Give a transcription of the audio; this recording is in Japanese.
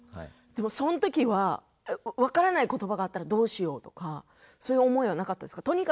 その時は分からない言葉があったらどうしようとかそういう思いはなかったですか？